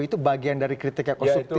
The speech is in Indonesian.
itu bagian dari kritik yang konstruktif